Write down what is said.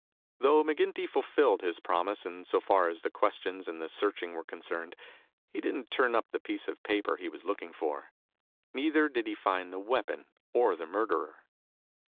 Though McGinty fulfilled his promise in so far as the questions and the searching were concerned, he didn't turn up the piece of paper he was looking for. Neither did he find the weapon or the murderer.